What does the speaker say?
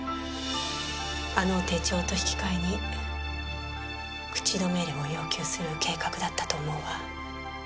あの手帳と引き換えに口止め料を要求する計画だったと思うわ。